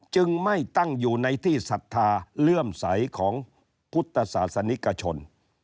จึงไม่ตั้งอยู่ในที่ศรัทธาเลื่อมใสของพุทธศาสนิกชน